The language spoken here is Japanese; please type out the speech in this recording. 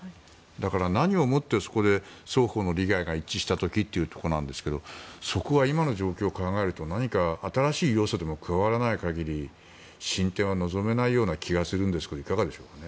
だから、何をもって双方の利害が一致した時ということなんですけどそこは今の状況を考えると何か新しい要素でも加わらない限り、進展は望めない気がするんですけどいかがでしょうか。